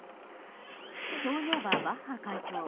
そういえば、バッハ会長。